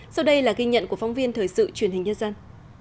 sau đây là ghi nhận của phóng viên thời sự truyền hình nhân dân